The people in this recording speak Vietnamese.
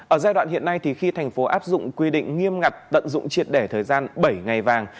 ở giai đoạn hiện nay thì khi tp áp dụng quy định nghiêm ngặt tận dụng triệt đẻ thời gian bảy ngày vàng